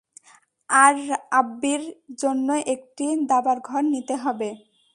আর আব্বির জন্য একটি দাবার ঘর নিতে হবে।